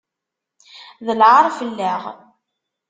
D lɛaṛ fell-aɣ.